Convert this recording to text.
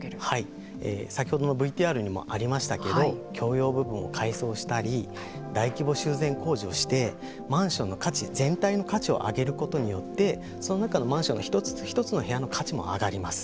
先ほどのＶＴＲにもありましたけど共用部分を改装したり大規模修繕工事をしてマンション全体の価値を上げることによってその中のマンションの一つ一つの部屋の価値も上がります。